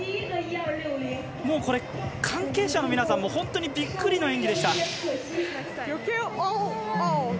関係者の皆さんも本当にびっくりの演技でした。